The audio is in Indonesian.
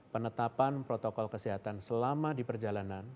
penetapan protokol kesehatan selama di perjalanan